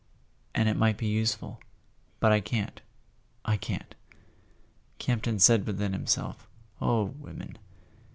And it might be useful. But I can't—I can't!" Campton said within himself: "Oh, women